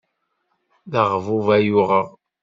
D aɣbub ay uɣeɣ.